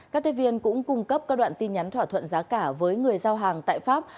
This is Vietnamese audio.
các thế viên cũng cung cấp các đoạn tin nhắn thỏa thuận giá cả với người giao hàng tại pháp